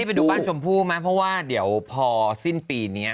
ไปดูบ้านชมพู่ไหมเพราะว่าเดี๋ยวพอสิ้นปีนี้